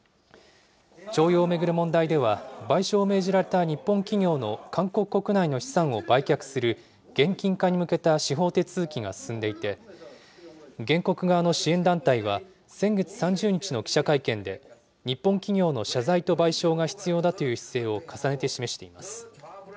徴用を巡る問題では、賠償を命じられた日本企業の韓国国内の資産を売却する現金化に向けた司法手続きが進んでいて、原告側の支援団体は、先月３０日の記者会見で、日本企業の謝罪と賠償が必要だという姿勢を重ねて示しています。